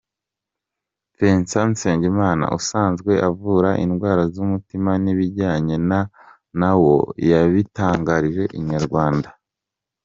Vincent Nsengimana usanzwe avura indwara z’umutima n’ibijyanye na wo yabitangarije Inyarwanda.